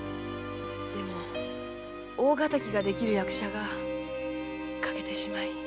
でも大敵ができる役者が欠けてしまい。